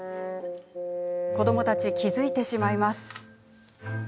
子どもたちは気付いてしまいます。